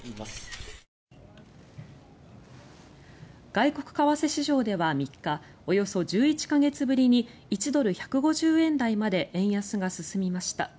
外国為替市場では３日およそ１１か月ぶりに１ドル＝１５０円台まで円安が進みました。